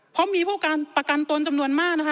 เพราะมีผู้การประกันตนจำนวนมากนะคะ